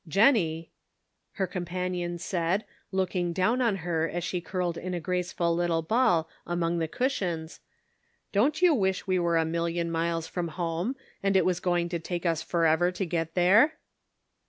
" Jennie," her companion said, looking down on her as she curled in a graceful little ball among the cushions, " Don't you wish we were a million miles from home, and it was going to take us forever to get there